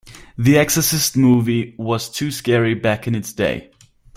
The Exorcist movie was too scary back in its day.